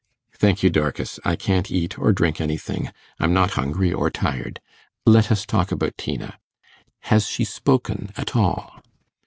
'Thank you, Dorcas; I can't eat or drink anything. I'm not hungry or tired. Let us talk about Tina. Has she spoken at all?